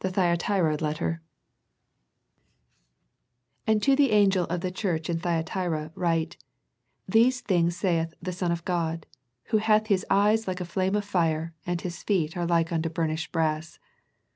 THE THYATIRA LETTER "And to the angel of the church in Thyatira write ;" These things saith the Son of God, Who hath His eyes like a flame of fire, and His feet are like unto burnished brass.